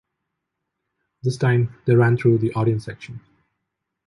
This time they ran through the audience section.